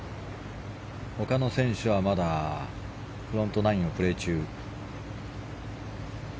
他の選手はまだフロントナインをプレー中。